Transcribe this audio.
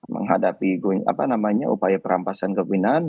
menghadapi upaya perampasan kebinaan